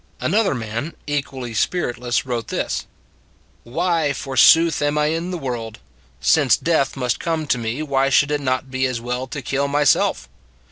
Another man equally spiritless wrote this: " Why, forsooth, am I in the world ? Since death must come to me, why should it not be as well to kill myself.